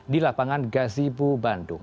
di lapangan gazibu bandung